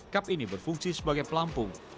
kap ini berfungsi sebagai pelampung